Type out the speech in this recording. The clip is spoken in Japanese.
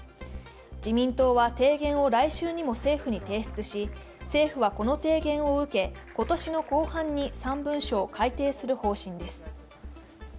自民党は提言を来週にも政府に提出し政府はこの提言を受け、今年の後半に３文書を改定する方針です。